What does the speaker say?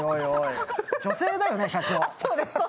女性だよね、社長。